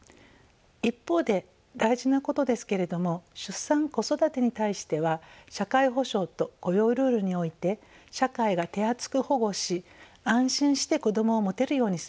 一方で大事なことですけれども出産子育てに対しては社会保障と雇用ルールにおいて社会が手厚く保護し安心して子どもを持てるようにすべきです。